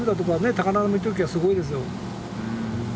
高波の時はすごいですよ。